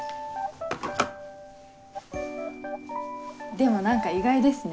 でも何か意外ですね。